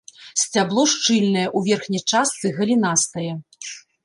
Сцябло шчыльнае, у верхняй частцы галінастае.